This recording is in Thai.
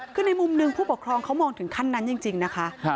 คือในมุมหนึ่งผู้ปกครองเขามองถึงขั้นนั้นจริงนะคะ